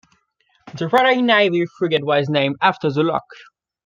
The Royal Navy frigate was named after the loch.